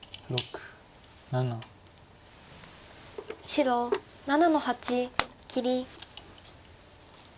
白７の八切り。